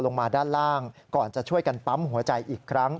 ลงมาด้านล่างก่อนจะช่วยกันปั๊มหัวใจอีกครั้ง